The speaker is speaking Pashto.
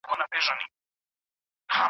وزیر اکبرخان ځواکونو ته د جګړې لارښوونه وکړه